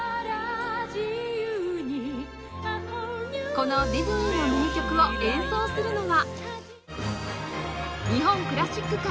このディズニーの名曲を演奏するのは